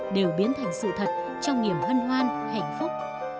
đều biến thành sự thật trong niềm hân hoan hạnh phúc